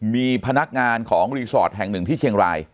มีพนักงานของรีสอร์ทแห่งหนึ่งที่เชียงราย